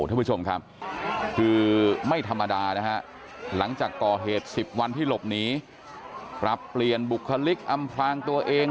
ท่านผู้ชมครับคือไม่ธรรมดานะฮะหลังจากก่อเหตุ๑๐วันที่หลบหนีปรับเปลี่ยนบุคลิกอำพลางตัวเอง